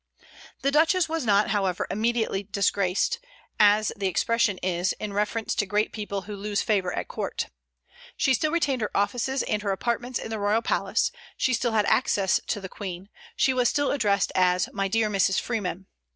The Duchess was not, however, immediately "disgraced," as the expression is in reference to great people who lose favor at court. She still retained her offices and her apartments in the royal palace; she still had access to the Queen; she was still addressed as "my dear Mrs. Freeman."